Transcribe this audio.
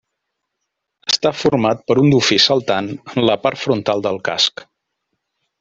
Està format per un dofí saltant en la part frontal del casc.